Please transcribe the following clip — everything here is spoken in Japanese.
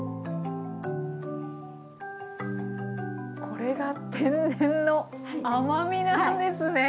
これが天然の甘みなんですね。